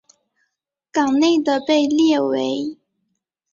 港内的被列为。